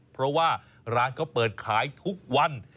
เพราะว่าร้านเขาเปิดขายทุกวัน